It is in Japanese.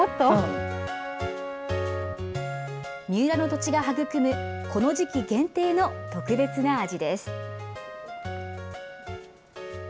三浦の土地が育む、この時期限定の特別な味です。